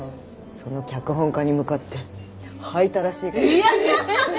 その脚本家に向かって吐いたらしいからね。